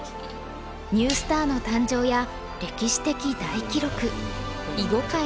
ニュースターの誕生や歴史的大記録囲碁界の事件など。